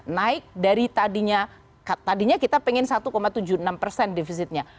naik dari tadinya tadinya kita pengen satu tujuh puluh enam persen defisitnya